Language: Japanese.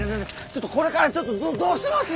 ちょっとこれからちょっとどどうします！？